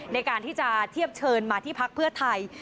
ในการที่จะเทียบเชิญมาที่พักเพื่อไทย